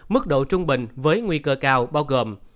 mức độ trung bình với nguy cơ cao bao gồm